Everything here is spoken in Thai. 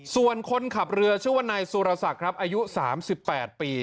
ส่วนคนขับเรือชื่อว่านายสุรศักดิ์ครับอายุ๓๘ปี